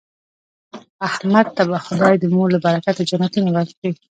احمد ته به خدای د مور له برکته جنتونه ورکړي.